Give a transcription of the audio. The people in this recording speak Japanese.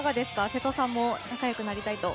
せとさんも仲良くなりたいと。